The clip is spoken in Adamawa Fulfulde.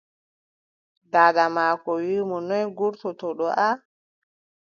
Daada maako wii mo, noy ngurtoto-ɗa?